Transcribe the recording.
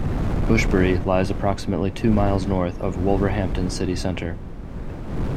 Bushbury lies approximately two miles north of Wolverhampton City Centre.